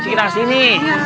di sekitar sini